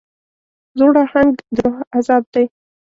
زوړ اهنګ د روح عذاب دی.